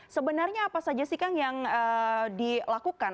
sebenarnya apa saja sih kang yang dilakukan